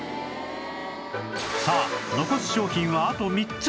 さあ残す商品はあと３つ